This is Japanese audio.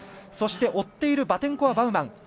そして追っているバテンコワバウマン。